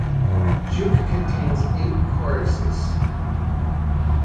"Juke" contains eight choruses.